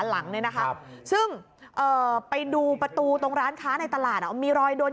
หลังเนี่ยนะคะซึ่งเอ่อไปดูประตูตรงร้านค้าในตลาดมีรอยโดน